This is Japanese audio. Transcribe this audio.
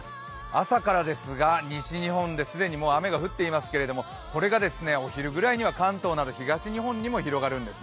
朝からですが西日本で既に雨が降っていますけれどもこれがお昼ぐらいには関東など東日本にも広がるんです。